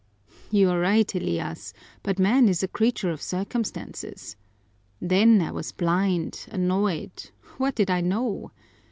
"You're right, Elias, but man is a creature of circumstances! Then I was blind, annoyed what did I know?